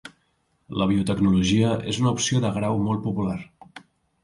La biotecnologia és una opció de grau molt popular